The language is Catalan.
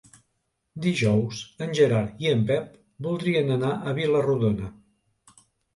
Dijous en Gerard i en Pep voldrien anar a Vila-rodona.